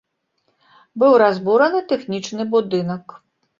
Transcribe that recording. Быў разбураны тэхнічны будынак.